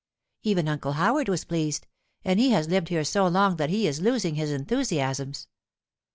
Even Uncle Howard was pleased, and he has lived here so long that he is losing his enthusiasms.